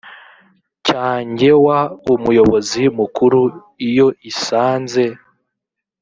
cyangewa umuyobozi mu kuru iyo isanze